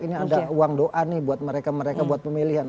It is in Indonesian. ini ada uang doa nih buat mereka mereka buat pemilihan